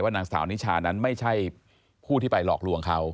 นางสาวนิชานั้นไม่ใช่ผู้ที่ไปหลอกลวงเขา